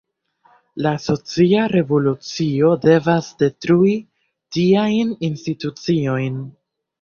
La socia revolucio devas detrui tiajn instituciojn.